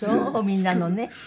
みんなのね。